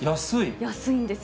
安いんですよ。